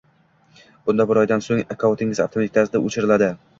Bunda bir oydan so’ng akkauntingiz avtomatik tarzda o’chiriladi